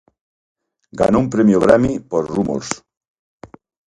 Ganó un premio Grammy por "Rumours".